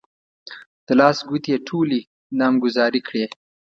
د لاس ګوتې يې ټولې نامګذاري کړې.